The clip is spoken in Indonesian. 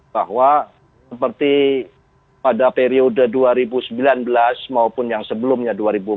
bahwa seperti pada periode dua ribu sembilan belas maupun yang sebelumnya dua ribu empat belas